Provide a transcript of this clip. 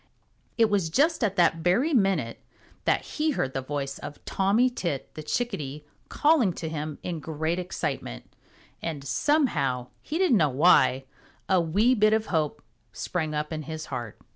It was just at that very minute that he heard the voice of Tommy Tit the Chickadee calling to him in great excitement, and somehow, he didn't know why, a wee bit of hope sprang up in his heart.